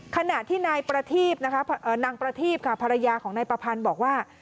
ขณะที่นางประทีพค่ะภรรยาของนายประพันธ์บอกว่า